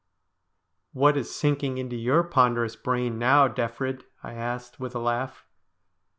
' What is sinking into your ponderous brain now, Defrid ?' I asked, with a laugh.